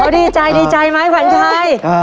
ดีใจดีใจไหมผวานชาย